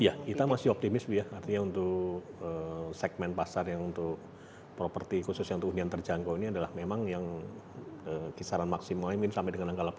iya kita masih optimis bu ya artinya untuk segmen pasar yang untuk properti khusus untuk hunian terjangkau ini adalah memang yang kisaran maksimalnya mungkin sampai dengan angka delapan puluh